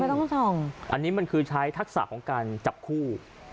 ต้องส่องอันนี้มันคือใช้ทักษะของการจับคู่